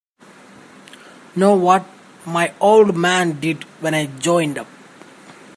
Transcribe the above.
Know what my old man did when I joined up?